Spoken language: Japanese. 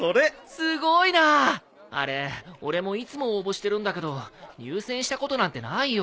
すごいなあれ俺もいつも応募してるんだけど入選したことなんてないよ。